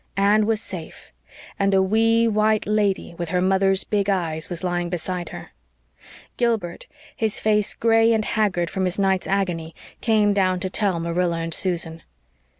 Anne was safe, and a wee, white lady, with her mother's big eyes, was lying beside her. Gilbert, his face gray and haggard from his night's agony, came down to tell Marilla and Susan.